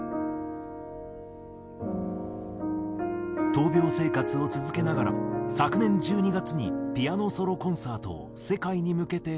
闘病生活を続けながら昨年１２月にピアノソロコンサートを世界に向けて配信。